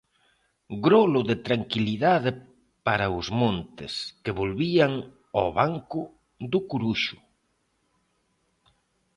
Grolo de tranquilidade para os Montes, que volvían ao banco do Coruxo.